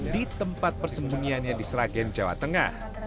di tempat persembunyiannya di sragen jawa tengah